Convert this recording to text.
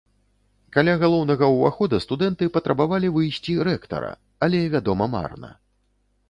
Каля галоўнага ўвахода студэнты патрабавалі выйсці рэктара, але, вядома, марна.